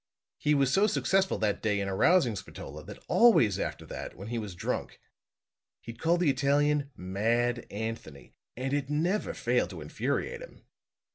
He was so successful that day in arousing Spatola, that always after that, when he was drunk, he'd call the Italian 'Mad Anthony' and it never failed to infuriate him.